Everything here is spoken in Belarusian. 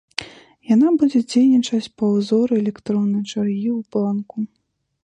Яна будзе дзейнічаць па ўзоры электроннай чаргі ў банку.